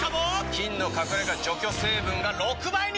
菌の隠れ家除去成分が６倍に！